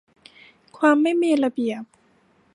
ความไม่มีระเบียบ